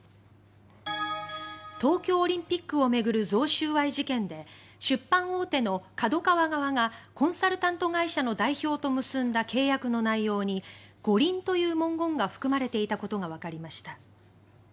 東京オリンピックを巡る贈収賄事件で出版大手のＫＡＤＯＫＡＷＡ側がコンサルタント会社の代表と結んだ契約の内容に五輪という文言が含まれていたことがわかりました。